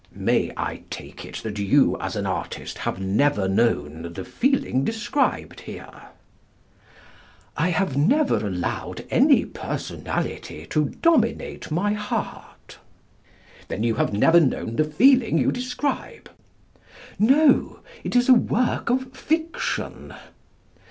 May I take it that you, as an artist, have never known the feeling described here? I have never allowed any personality to dominate my heart. Then you have never known the feeling you describe? No; it is a work of fiction.